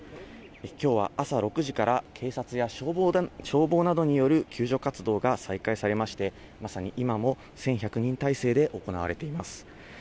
きょうは朝６時から、警察や消防などによる救助活動が再開されまして、まさに今も１１００人態勢で行われています。